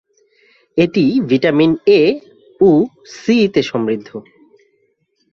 এটি vitamin A ও C- তে সমৃদ্ধ।